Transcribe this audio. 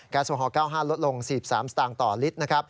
แก๊สโซฮอล๙๕ลดลง๔๓สตางค์ต่อลิตร